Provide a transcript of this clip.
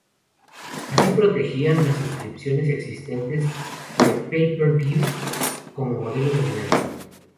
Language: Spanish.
Así protegían las suscripciones existentes del "Pay Per View" como modelo dominante.